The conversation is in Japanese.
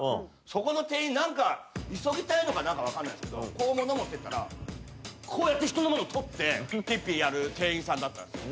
そこの店員何か急ぎたいのか分かんないですけどこう物持ってったらこうやって人の物取ってピッピやる店員さんだったんですよ。